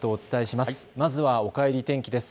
まずは、おかえり天気です。